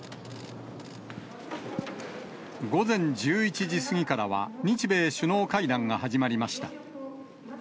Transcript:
午前１１時過ぎからは、日米首脳会談が始まりました。